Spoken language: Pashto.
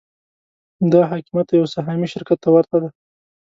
دا حاکمیت یو سهامي شرکت ته ورته دی.